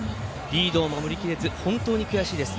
リードを守りきれず本当に悔しいです。